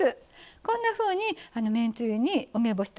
こんなふうにめんつゆに梅干しとか